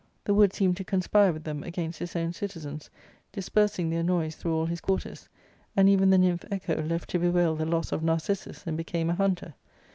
The wood seemed to conspire with them against his own citizens,* dispersing their noise through all his quarters, and even the n)rmph Echo left to bewail the loss of Narcissus and became a hunter.